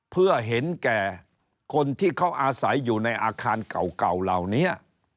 เพื่อเห็นแก่คนที่เขาอาศัยอยู่ในอาคารเก่าเหล่านี้